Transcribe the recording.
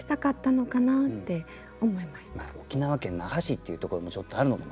沖縄県那覇市っていうところもちょっとあるのかもしれませんよね。